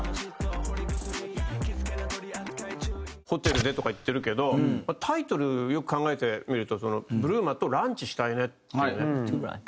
「ホテルで」とか言ってるけどタイトルよく考えてみると「ブルマとランチしたいね」っていうね